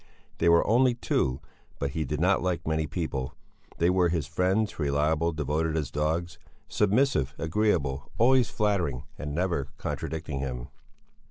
They were only two, but he did not like many people; they were his friends, reliable, devoted as dogs; submissive, agreeable, always flattering and never contradicting him.